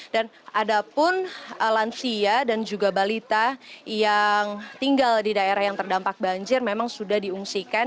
dan ada pun lansia dan juga balita yang tinggal di daerah yang terdampak banjir memang sudah diungsikan